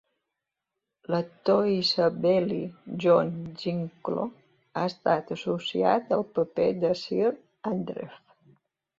L'actor isabelí John Sinklo ha estat associat al paper de Sir Andrew.